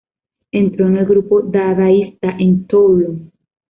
Entró en el grupo dadaísta en Toulon.